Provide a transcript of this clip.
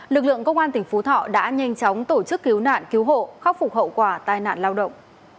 lực lượng công an tỉnh phú thọ đã nhanh chóng tổ chức cứu nạn cứu hộ khắc phục hậu quả tai nạn lao động